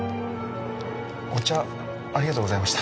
お茶ありがとうございました。